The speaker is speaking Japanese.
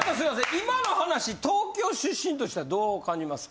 今の話東京出身としてはどう感じますか？